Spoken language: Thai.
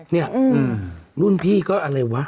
เนี่ยรุ่นพี่ก็อะไรวะ